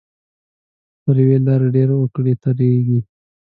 پر یوې لارې ډېر وګړي تېریږي.